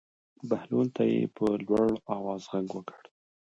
بهلول ته یې په لوړ آواز غږ وکړ.